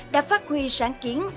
đã phát huy sáng kiến